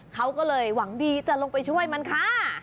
เขาก็เลยหวังดีจะลงไปช่วยมันค่ะ